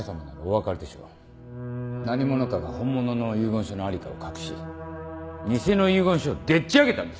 何者かが本物の遺言書の在りかを隠し偽の遺言書をでっち上げたんです。